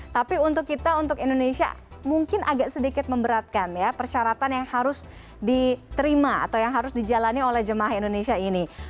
tapi untuk kita untuk indonesia mungkin agak sedikit memberatkan ya persyaratan yang harus diterima atau yang harus dijalani oleh jemaah indonesia ini